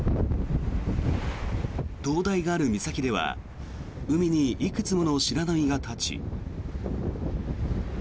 灯台がある岬では海にいくつもの白波が立ち。